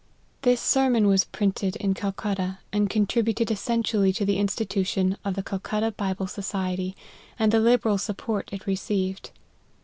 This sermon was printed in Calcutta, and con 132 LIFE OF HENRY MARTYff. tributed essentially to the institution of the Calcut ta Bible Society, and the liberal support it received.